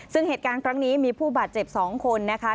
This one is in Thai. ซึ่งเหตุการณ์ครั้งนี้มีผู้บาดเจ็บ๒คนนะคะ